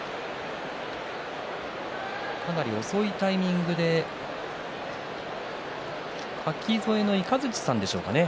かなり遅いタイミングで垣添の雷さんでしょうかね